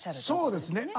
そうですね。